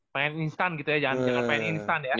pengen instan gitu ya jangan pengen instan ya